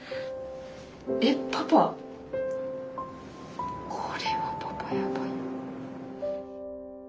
えっパパこれはパパやばい。